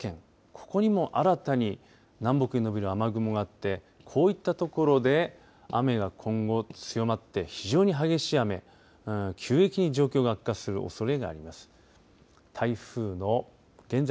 ここにも新たに南北に延びる雨雲があってこういったところで雨が今後強まって非常に激しい雨、急激に状況が悪化するおそれがあります。